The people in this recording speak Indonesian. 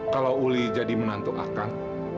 kalau uli jadi menantu akan